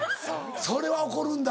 それは怒るんだ。